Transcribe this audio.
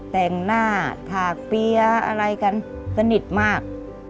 แต่งหน้าถากเปี๊ยะอะไรกันสนิทมาก